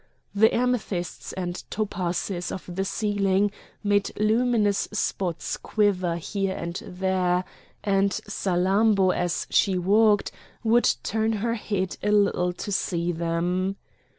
The amethysts and topazes of the ceiling made luminous spots quiver here and there, and Salammbô as she walked would turn her head a little to see them.